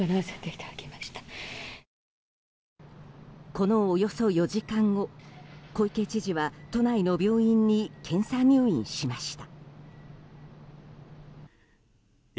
このおよそ４時間後小池知事は都内の病院に検査入院しました。